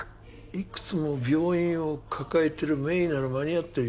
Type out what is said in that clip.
いくつも病院を抱えてる名医なら間に合ってるよ